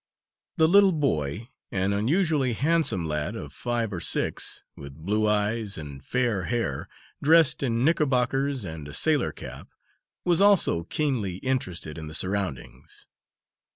The little boy, an unusually handsome lad of five or six, with blue eyes and fair hair, dressed in knickerbockers and a sailor cap, was also keenly interested in the surroundings.